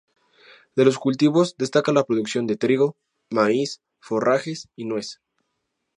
De los cultivos destaca la producción de trigo, maíz, forrajes y nuez.